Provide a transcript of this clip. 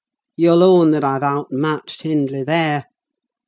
You'll own that I've outmatched Hindley there.